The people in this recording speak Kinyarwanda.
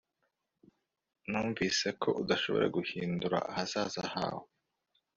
Numvise ko udashobora guhindura ahazaza hawe